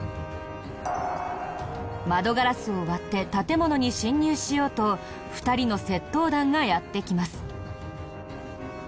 窓ガラスを割って建物に侵入しようと２人の窃盗団がやって来ます。